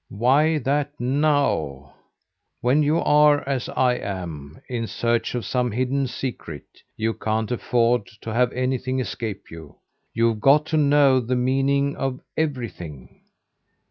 "Why that 'now'? When you are, as I am, in search of some hidden secret, you can't afford to have anything escape you. You've got to know the meaning of everything.